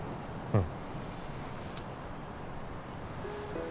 うん